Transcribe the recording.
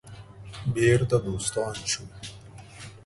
بیرته دوستان شو.